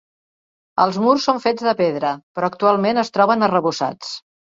Els murs són fets de pedra però actualment es troben arrebossats.